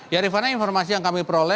ya rifana informasi yang kami peroleh